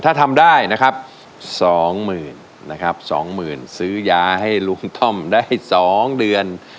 ถ้าทำได้นะครับสองหมื่นนะครับสองหมื่นซื้อยาให้ลุงต้มได้สองเดือน